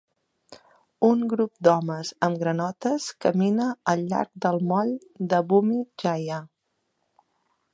Un grup d'homes amb granotes camina al llarg del moll de Bumi Jaya.